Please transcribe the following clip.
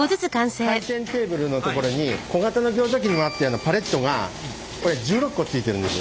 回転ケーブルの所に小型のギョーザ機にもあったようなパレットがこれ１６個ついてるんです。